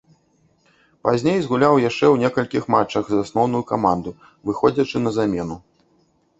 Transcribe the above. Пазней згуляў яшчэ ў некалькіх матчах за асноўную каманду, выходзячы на замену.